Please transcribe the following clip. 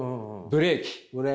ブレーキ。